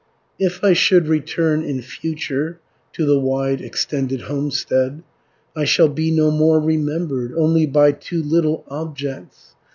"If I should return in future To the wide extended homestead, I shall be no more remembered, Only by two little objects.